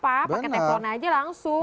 pakai teflon aja langsung